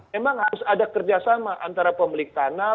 memang harus ada kerjasama antara pemilik tanah